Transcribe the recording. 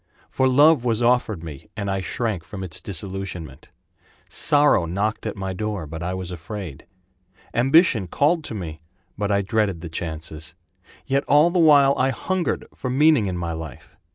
For love was offered me and I shrank from its disillusionment; Sorrow knocked at my door, but I was afraid; Ambition called to me, but I dreaded the chances. Yet all the while I hungered for meaning in my life.